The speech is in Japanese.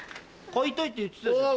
買いたいって言ってたじゃん。